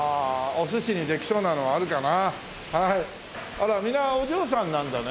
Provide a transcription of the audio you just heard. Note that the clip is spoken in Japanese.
あらみんなお嬢さんなんだね。